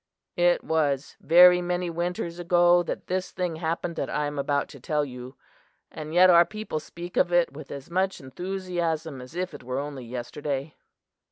It was very many years ago that this thing happened that I am about to tell you, and yet our people speak of it with as much enthusiasm as if it were only yesterday.